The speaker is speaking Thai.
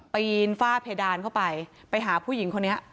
ปีนฝ้าเพดานเข้าไปไปหาผู้หญิงคนนี้